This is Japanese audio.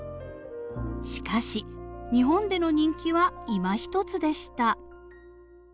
しかし日本での人気はいまひとつでした。